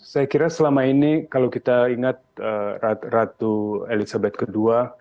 saya kira selama ini kalau kita ingat ratu elizabeth ii